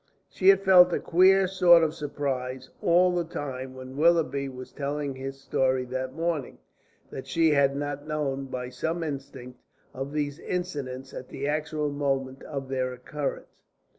She had felt a queer sort of surprise all the time while Willoughby was telling his story that morning, that she had not known, by some instinct, of these incidents at the actual moment of their occurrence.